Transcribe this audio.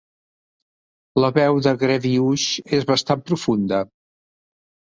La veu de Grevioux és bastant profunda.